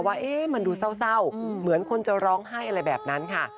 ว่ามันดูเศร้าเหมือนคนจะร้องไห้อะไรแบบนั้นค่ะ